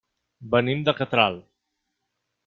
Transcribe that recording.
Venim de Catral.